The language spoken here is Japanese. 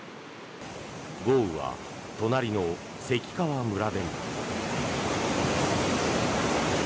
豪雨は隣の関川村でも。